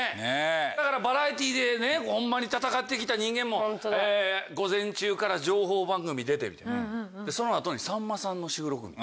だからバラエティーでホンマに戦って来た人間も午前中から情報番組に出てその後にさんまさんの収録。